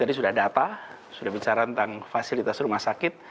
jadi tadi sudah data sudah bicara tentang fasilitas rumah sakit